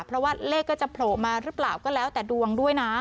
เพราะว่าเลขก็จะโผล่มาหรือเปล่าก็แล้วแต่ดวงด้วยนะ